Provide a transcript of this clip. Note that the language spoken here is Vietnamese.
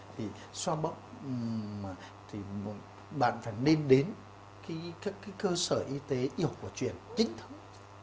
thì xoa bóp bạn phải nên đến cơ sở y tế y học của truyền chính thức